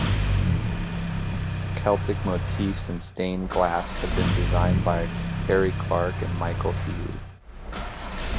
Celtic motifs and stained glass have been designed by Harry Clarke and Michael Healy.